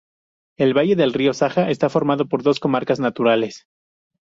El valle del río Saja, está formado por dos comarcas naturales.